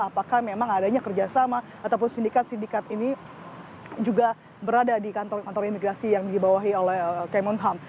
apakah memang adanya kerjasama ataupun sindikat sindikat ini juga berada di kantor kantor imigrasi yang dibawahi oleh kemenham